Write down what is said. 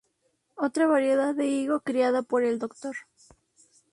Otra variedad de higo criada por el Dr.